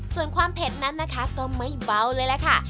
ซึ่งความเพดนั้นก็ไม่เบาเลยค่ะ